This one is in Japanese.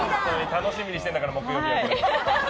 楽しみにしてるんだから木曜日。